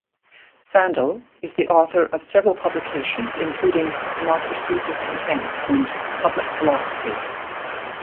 Sandel is the author of several publications, including "Democracy's Discontent" and "Public Philosophy".